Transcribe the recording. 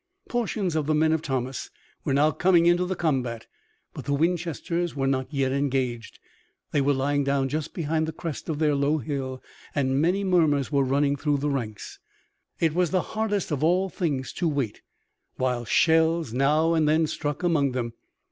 Portions of the men of Thomas were now coming into the combat, but the Winchesters were not yet engaged. They were lying down just behind the crest of their low hill and many murmurs were running through the ranks. It was the hardest of all things to wait, while shells now and then struck among them.